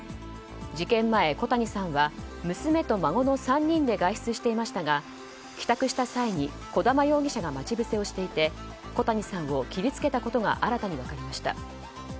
事件前、小谷さんは娘と孫の３人で外出していましたが帰宅した際に、児玉容疑者が待ち伏せをしていて小谷さんを切りつけたことが新たに分かりました。